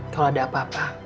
kalo ada apa apa